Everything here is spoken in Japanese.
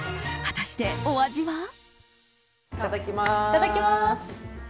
果たしてお味は。